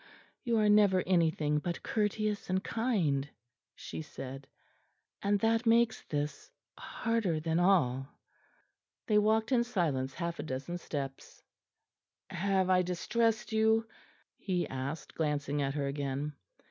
"You are never anything but courteous and kind," she said, "and that makes this harder than all." They walked in silence half a dozen steps. "Have I distressed you?" he asked, glancing at her again.